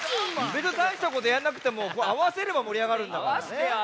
べつにたいしたことやんなくてもあわせればもりあがるんだからね。